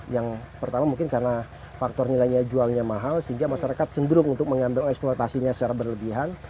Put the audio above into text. yang pertama mungkin karena faktor nilainya jualnya mahal sehingga masyarakat cenderung untuk mengambil eksploitasinya secara berlebihan